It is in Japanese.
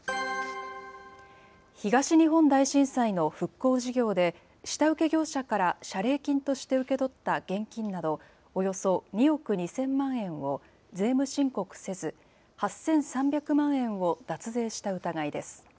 東日本大震災の復興事業で、下請け業者から謝礼金として受け取った現金など、およそ２億２０００万円を税務申告せず、８３００万円を脱税した疑いです。